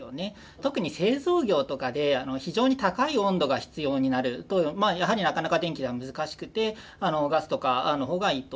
特に製造業とかで非常に高い温度が必要になるとやはりなかなか電気では難しくてガスとかの方がいいと。